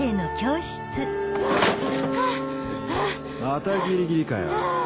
またギリギリかよ。